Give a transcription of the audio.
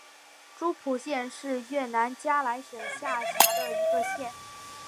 诸蒲县是越南嘉莱省下辖的一个县。